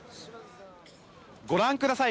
ご覧ください